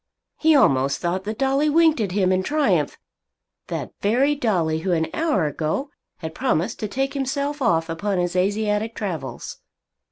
He almost thought that Dolly winked at him in triumph, that very Dolly who an hour ago had promised to take himself off upon his Asiatic travels!